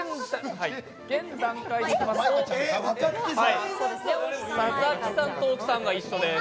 現段階でいきますと、佐々木さんと大木さんが一緒です。